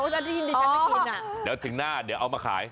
อ๋อเดี๋ยวถึงหน้าเอามาขาย